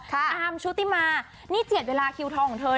ค่ะอามชุติมานี่เจียดเวลาคิวทองของเธอเนี้ย